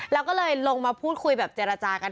แล้วก็เลยลงมาพูดคุยแบบเจรจากัน